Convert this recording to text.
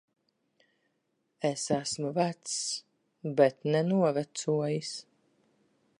Es esmu vecs. Bet ne novecojis.